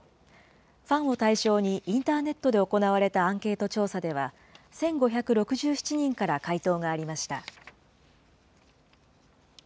ファンを対象にインターネットで行われたアンケート調査では、１５６７人から回答がありました。